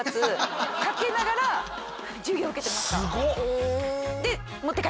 すごっ！